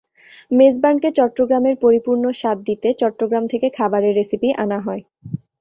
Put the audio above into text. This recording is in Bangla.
মেজবানকে চট্টগ্রামের পরিপূর্ণ স্বাদ দিতে চট্টগ্রাম থেকে খাবারের রেসিপি আনা হয়।